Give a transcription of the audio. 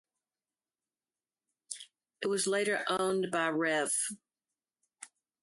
It was later owned by Rev.